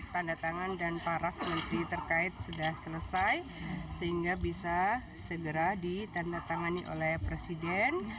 tandatangan dan para kementeri terkait sudah selesai sehingga bisa segera ditandatangani oleh presiden